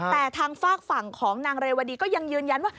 แต่ทางฝากฝั่งของนางเรวดีก็ยังยืนยันว่า